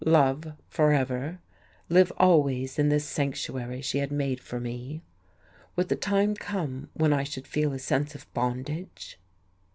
Love forever, live always in this sanctuary she had made for me? Would the time come when I should feel a sense of bondage?...